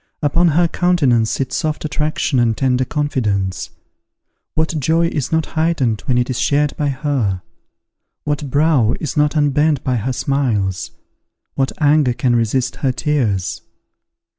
Upon her countenance sit soft attraction and tender confidence. What joy is not heightened when it is shared by her? What brow is not unbent by her smiles? What anger can resist her tears?